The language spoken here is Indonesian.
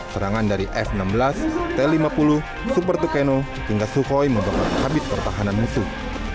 serangan dari f enam belas t lima puluh super tucano hingga sukhoi merupakan habis pertahanan musuh